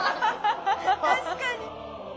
確かに。